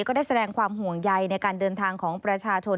ก็ได้แสดงความห่วงใยในการเดินทางของประชาชน